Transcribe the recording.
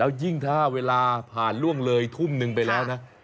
ยิ่งถ้าเวลาผ่านล่วงเลยทุ่มนึงไปแล้วนะ